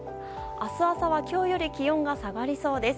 明日朝は今日より気温が下がりそうです。